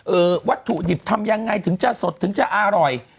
วัตถุดิบทำยังไงถึงจะสดถึงจะอร่อย